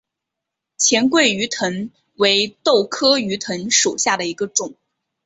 黔桂鱼藤为豆科鱼藤属下的一个种。